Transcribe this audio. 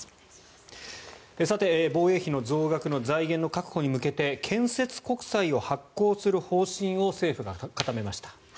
防衛費の増額の財源の確保に向けて建設国債を発行する方針を政府が固めました。